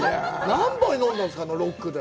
何杯、飲んだんですか、ロックで。